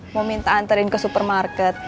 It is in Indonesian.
mau minta anterin ke supermarket